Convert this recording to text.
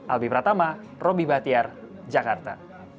albi pratama roby bahtiar jakarta